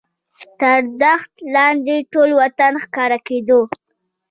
تر دښت لاندې ټول وطن ښکاره کېدو.